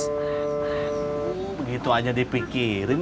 tentu begitu aja dipikirin